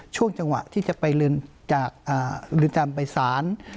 ช่วงจังหวะที่จะไปลืนจามไปศาล